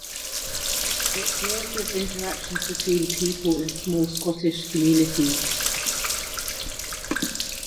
It deals with the interactions between people in a small Scottish community.